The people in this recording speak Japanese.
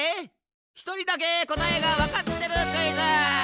ひとりだけこたえがわかってるクイズ。